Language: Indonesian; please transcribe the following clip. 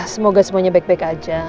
semoga semuanya baik baik aja